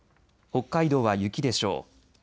北海道は雪でしょう。